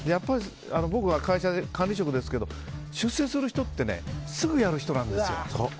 僕は会社で、管理職ですけど出世する人ってすぐやる人なんですよ。